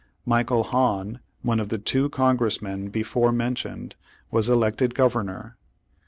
Michael Hahn, one of the two Congressmen be fore mentioned, was elected Governor.